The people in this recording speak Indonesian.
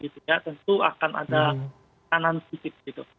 tentu akan ada kanan sedikit gitu